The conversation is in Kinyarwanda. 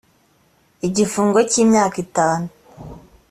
igifungo cy’ imyaka itanu